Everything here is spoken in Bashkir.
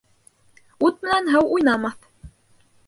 Ут менән һыу уйнамаҫ.